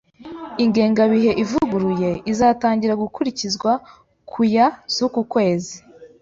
Ingengabihe ivuguruye izatangira gukurikizwa ku ya z'uku kwezi.